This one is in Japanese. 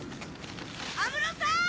安室さん！